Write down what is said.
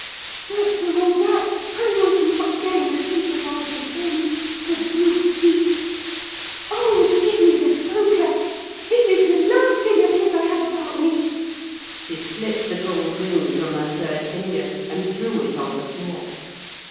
But, for all that, I was not going to sympathise with him—the brute beast! Oh, give me the poker! This is the last thing of his I have about me:" she slipped the gold ring from her third finger, and threw it on the floor.